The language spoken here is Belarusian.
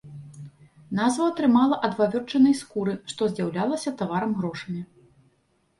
Назву атрымала ад вавёрчынай скуры, што з'яўлялася таварам-грошамі.